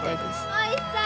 おいしそう！